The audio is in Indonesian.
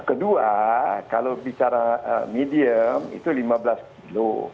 kedua kalau bicara medium itu lima belas kilo